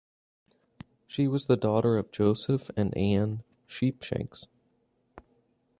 She was the daughter of Joseph and Ann Sheepshanks.